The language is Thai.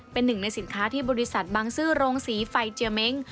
เป็นหนึ่งในสินค้าที่บริษัทบังซื้อโรงศรีไฟเจียเม้ง